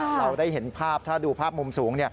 เราได้เห็นภาพถ้าดูภาพมุมสูง